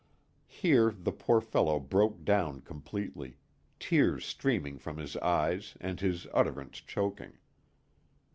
_" Here the poor fellow broke down completely, tears streaming from his eyes and his utterance choking.